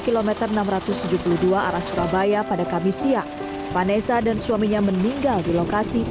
kilometer enam ratus tujuh puluh dua arah surabaya pada kamis siang vanessa dan suaminya meninggal di lokasi